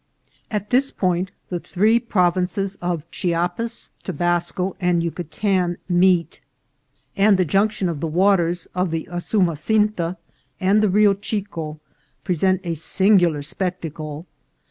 At this point the three provinces of Chiapas, Tobasco, and Yucatan meet, and. the junction of the waters of the Usumasinta and the Rio Chico presents a singular spectacle.